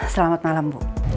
selamat malam bu